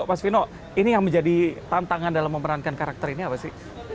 mas vino ini yang menjadi tantangan dalam memerankan karakter ini apa sih